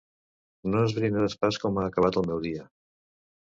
No esbrinaràs pas com ha acabat el meu dia.